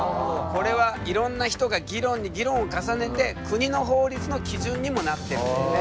これはいろんな人が議論に議論を重ねて国の法律の基準にもなってるんだよね。